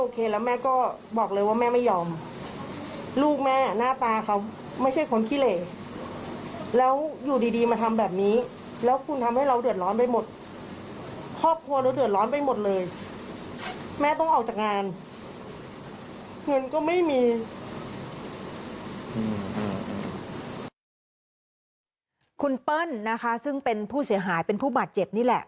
คุณเปิ้ลนะคะซึ่งเป็นผู้เสียหายเป็นผู้บาดเจ็บนี่แหละ